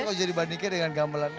ojo di bandingke dengan gamelan